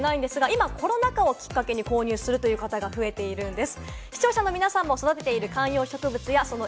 今コロナ禍をきっかけに購入する方が増えているんです。